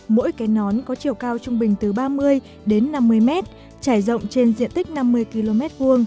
mỗi cái nón có chiều cao trung bình từ ba mươi đến năm mươi mét trải rộng trên diện tích năm mươi km hai